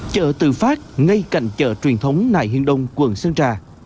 chợ tự phát ngay cạnh chợ truyền thống nài hiên đông quận sơn trà